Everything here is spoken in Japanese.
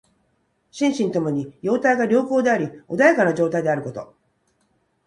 心身ともに様態が良好であり穏やかな状態であること。